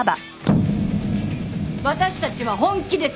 私たちは本気です！